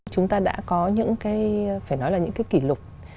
chúng ta đã có những cái phải nói là những cái kỷ lục